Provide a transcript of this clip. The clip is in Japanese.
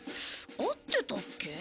合ってたっけ？